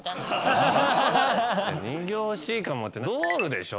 「人形欲しいかも」って「ｄｏｌｌ」でしょ？